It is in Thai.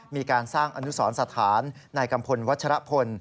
มีการสร้างอนุสรสถานในกัมพลวัชรพล